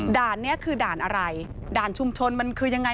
ด่านนี้คือด่านอะไรด่านชุมชนมันคือยังไง